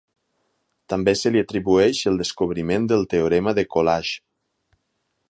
També se li atribueix el descobriment del teorema de Collage.